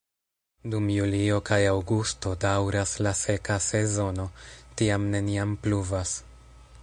Dum julio kaj aŭgusto daŭras la seka sezono, tiam neniam pluvas.